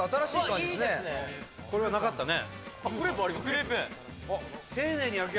これはなかったね。